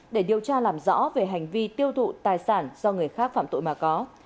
để điều tra làm rõ về hành vi tiêu thụ tài sản do người khác phạm tội mà có